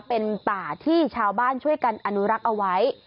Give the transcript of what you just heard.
เป็นป่าที่ชาวบ้านช่วยกันอนุรักษ์เอาไว้